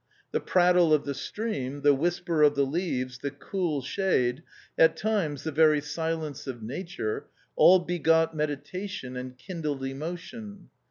The prattle of the stream, the whisper of the leaves, the cool shade, at times the very silence of Nature — all begot meditation and kindled emotion.